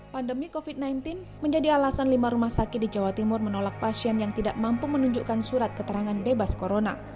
pandemi covid sembilan belas menjadi alasan lima rumah sakit di jawa timur menolak pasien yang tidak mampu menunjukkan surat keterangan bebas corona